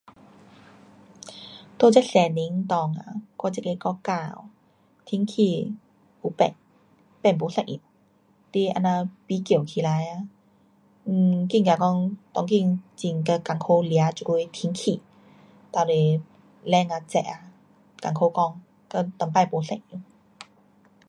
um 在这十年内啊，我这个国家哦，天气有变，变不一样。你这样比较起来啊 um 觉得这久很嘎困苦抓这久的天气哒是冷啊热啊，困苦讲。跟以前不一样。